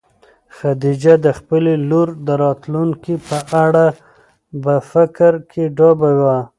خدیجه د خپلې لور د راتلونکي په اړه تل په فکر کې ډوبه وه.